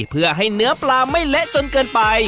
เพื่อให้เนื้อปลาไม่เละจนเกินไป